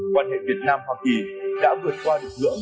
quan hệ việt nam hoa kỳ đã vượt qua được ngưỡng